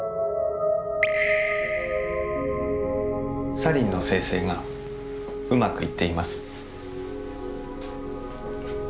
サリンの生成がうまく行っています。